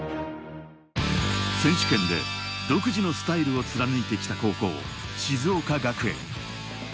選手権で独自のスタイルを貫いてきた高校、静岡学園。